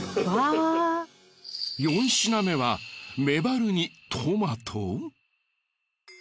４品目はメバルにトマト！？